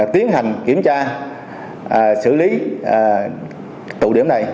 tiến hành kiểm tra xử lý tụ điểm này